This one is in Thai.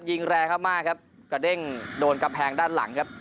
หยิงแรงมากครับกระเด้งโดนกระแพงด้านหลังครับ